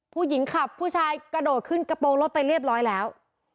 ผู้หญิงขับผู้ชายกระโดดขึ้นกระโปรงรถไปเรียบร้อยแล้ว